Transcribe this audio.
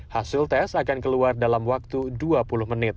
hasil tes akan keluar dalam waktu dua puluh menit